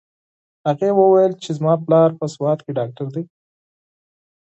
هغې وویل چې زما پلار په سوات کې ډاکټر دی.